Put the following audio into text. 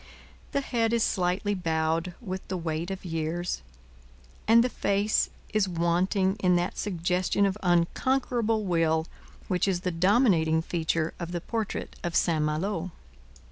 The head is slightly bowed with the weight of years, and the face is wanting in that suggestion of unconquerable will which is the dominating feature of the portrait of St Malo.